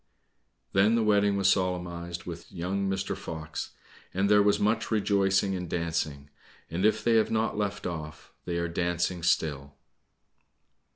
Then the wedding was solemnized with young Mr. Fox, and there was much rejoicing and dancing; and if they have not left off, they are dancing still.